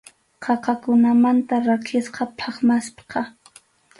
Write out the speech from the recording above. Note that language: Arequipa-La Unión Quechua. Qaqakunamanta rakisqa, phatmasqa.